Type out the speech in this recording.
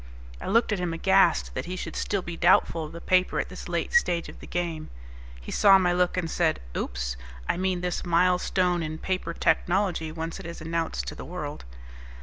I looked at him, aghast that he should still be doubtful of the paper at this late stage of the game. He saw my look and said, "Oops, I mean this milestone in paper technology once it is announced to the world."